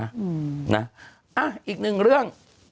อันอีกนึงเรื่อง